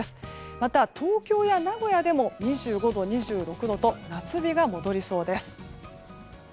また、東京や名古屋でも２５度、２６度と夏日が戻りそうです。